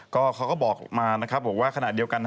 เขาก็บอกมาบอกว่าขณะเดียวกัน